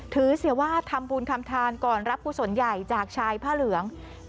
เสียว่าทำบุญคำทานก่อนรับกุศลใหญ่จากชายผ้าเหลือง